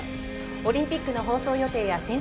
オリンピックの放送予定や選手